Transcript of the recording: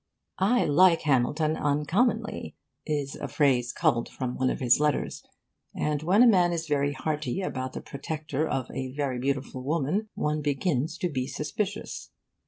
'I like Hamilton uncommonly' is a phrase culled from one of his letters; and when a man is very hearty about the protector of a very beautiful woman one begins to be suspicious.